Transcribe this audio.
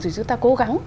rồi chúng ta cố gắng